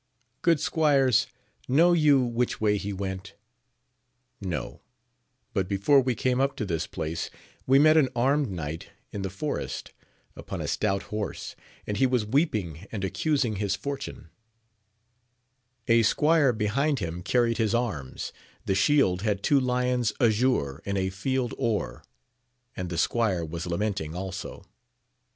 Good squires, know you which way he went] — No; but before we came up to this place we met an armed knight in the forest, upon a stout horse, and he was weeping and accusing his fortune : a squire behind him carried his arms ; the shield had two lions azure in a field or, and the squire was lamenting also.